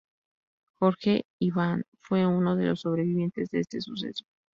Jorge Iván fue uno de los sobrevivientes de este suceso.